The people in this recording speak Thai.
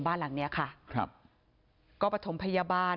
บ้านหลังนี้ค่ะครับก็ประถมพยาบาล